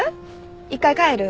一回帰る？